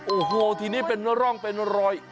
โอ้โหทีนี้เป็นร่องเป็นรอย